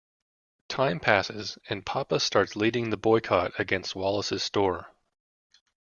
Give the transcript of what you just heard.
Time passes and Papa starts leading the boycott against Wallace's store.